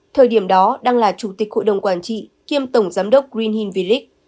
thời điểm đó đang là chủ tịch hội đồng quản trị kiêm tổng giám đốc green hill village